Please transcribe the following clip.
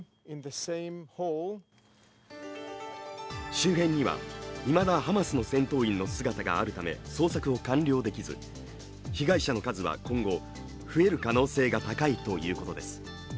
周辺には、いまだハマスの戦闘員の姿があるため捜索を完了できず、被害者の数は今後、増える可能性が高いということです。